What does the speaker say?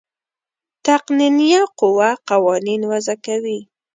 تقنینیه قوه قوانین وضع کوي.